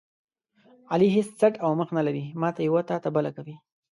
علي هېڅ څټ او مخ نه لري، ماته یوه تاته بله کوي.